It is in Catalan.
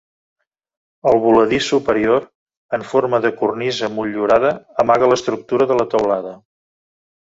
El voladís superior, en forma de cornisa motllurada amaga l'estructura de la teulada.